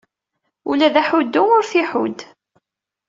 Ula d aḥuddu ur t-iḥudd.